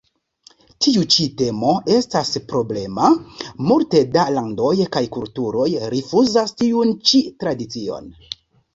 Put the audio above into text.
Tiu ĉi temo estas problema, multe da landoj kaj kulturoj rifuzas tiun ĉi tradicion.